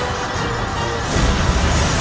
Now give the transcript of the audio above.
ini mah aneh